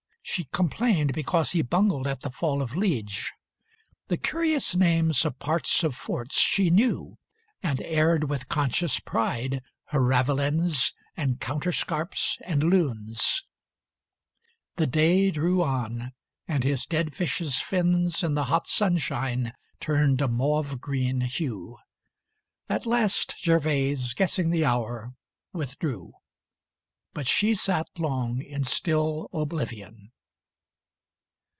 She complained Because he bungled at the fall of Liege. The curious names of parts of forts she knew, And aired with conscious pride her ravelins, And counterscarps, and lunes. The day drew on, And his dead fish's fins In the hot sunshine turned a mauve green hue. At last Gervase, guessing the hour, withdrew. But she sat long in still oblivion.